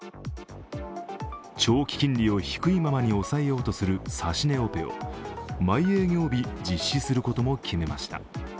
長期金利を低いままに抑えようとする指し値オペを毎営業日実施することを決めました。